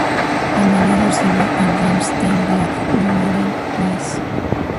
Ese año recibió el "James Tait Black Memorial Prize".